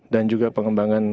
dan juga pengembangan